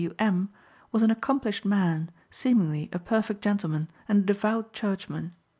W.M., was an accomplished man, seemingly a perfect gentleman, and a devout churchman.